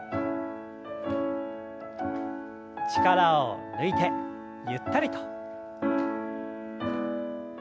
力を抜いてゆったりと。